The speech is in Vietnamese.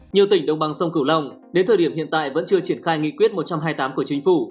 nhiều tỉnh đồng bằng sông cửu long đến thời điểm hiện tại vẫn chưa triển khai nghị quyết một trăm hai mươi tám của chính phủ